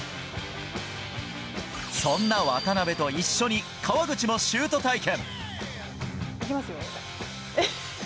そんな渡邊と一緒に川口もシュート体験。